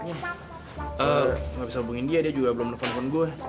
gua nggak bisa hubungin dia dia juga belum telepon pon gua